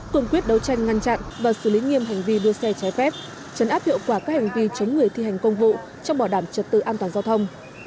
cường quyết đấu tranh ngăn chặn và xử lý nghiêm hành vi đua xe trái phép chấn áp hiệu quả các hành vi chống người thi hành công vụ trong bảo đảm trật tự an toàn giao thông